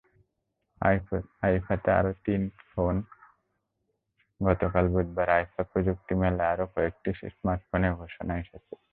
আইফাতে আরও তিন ফোনগতকাল বুধবার আইফা প্রযুক্তি মেলায় আরও কয়েকটি স্মার্টফোনের ঘোষণা এসেছে।